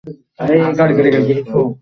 আরো ভয়ঙ্কর বিপদ হবে ওয়াং জেনে গেলে।